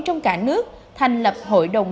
trong cả nước thành lập hội đồng